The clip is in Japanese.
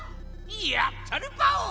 やったるパオ！